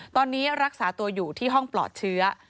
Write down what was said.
ตอนนี้รักษาตัวอยู่ที่ห้องปลอดเชื้อ